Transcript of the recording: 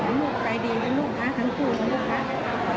ขอให้ลูกไปดีขอให้ลูกค่ะทั้งคู่ทั้งลูกค่ะ